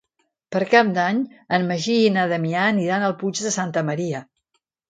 Per Cap d'Any en Magí i na Damià aniran al Puig de Santa Maria.